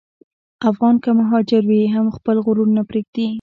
افغان که مهاجر وي، هم خپل غرور نه پرېږدي.